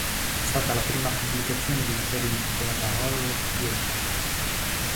È stata la prima pubblicazione di una serie intitolata "Horror Theater".